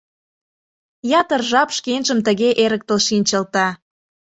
Ятыр жап шкенжым тыге эрыктыл шинчылте.